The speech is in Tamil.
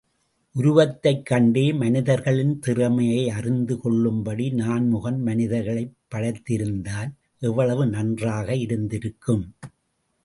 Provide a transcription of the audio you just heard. உருவத்தைக் கண்டே மனிதர்களின் திறமையை அறிந்து கொள்ளும்படி நான்முகன் மனிதர்களைப் படைத்திருந்தால் எவ்வளவு நன்றாக இருந்திருக்கும்?